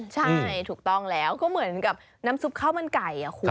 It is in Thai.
ใช่ถูกต้องแล้วก็เหมือนกับน้ำซุปข้าวมันไก่อะคุณ